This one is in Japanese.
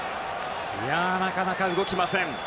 なかなか動きません。